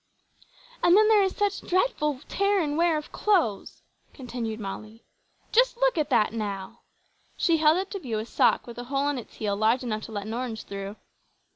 "And then there is such dreadful tear and wear of clothes," continued Molly; "just look at that, now!" She held up to view a sock with a hole in its heel large enough to let an orange through.